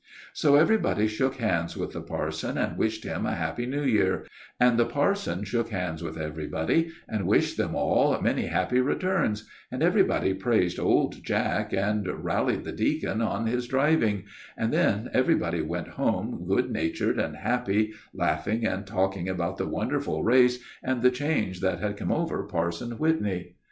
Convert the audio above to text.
So everybody shook hands with the parson and wished him a Happy New Year, and the parson shook hands with everybody and wished them all many happy returns; and everybody praised old Jack, and rallied the deacon on his driving; and then everybody went home good natured and happy, laughing and talking about the wonderful race, and the change that had come over Parson Whitney.